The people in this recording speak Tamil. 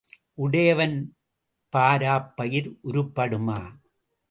உடையவன் பாராப் பயிர் உருப்படுமா?